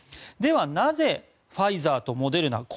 ではなぜファイザーとモデルナ